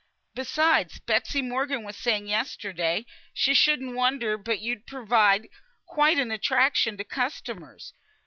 Besides, Betsy Morgan was saying yesterday, she shouldn't wonder but you'd prove quite an attraction to customers.